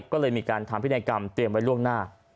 ก็เลยมีการทำพินัยกรรมเตรียมไว้ล่วงหน้า